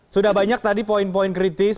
sudah banyak tadi poin poin kritis